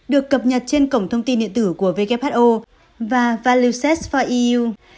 được cập nhật trên cổng thông tin điện tử của who và valueset for eu